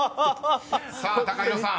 ［さあＴＡＫＡＨＩＲＯさん］